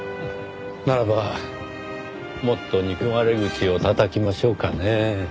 ならばもっと憎まれ口をたたきましょうかねぇ。